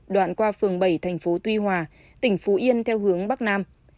đoạn qua phường bảy thành phố tuy hòa tỉnh phú yên theo hướng bắc nam